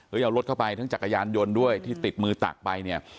แล้วเอารถเข้าไปทั้งจักรยานยนต์ด้วยที่ติดมือตักไปเนี่ย